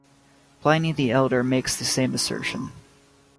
Pliny the Elder makes the same assertion.